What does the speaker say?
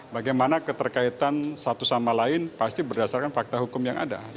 bagaimana keterkaitan satu sama lain pasti berdasarkan fakta hukum yang ada